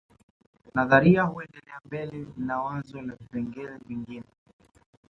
Nadharia huendelea mbele na wazo la vipengele vingine